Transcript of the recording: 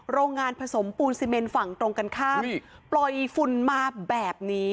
โรงงานผสมปูนซีเมนฝั่งตรงกันข้ามนี่ปล่อยฝุ่นมาแบบนี้